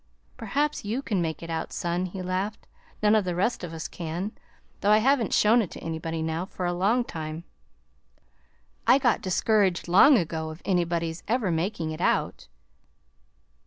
"Perhaps you can make it out, son," he laughed. "None of the rest of us can, though I haven't shown it to anybody now for a long time. I got discouraged long ago of anybody's ever making it out."